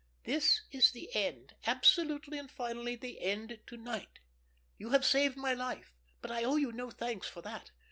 "This is the end, absolutely and finally the end to night. You have saved my life, but I owe you no thanks for that.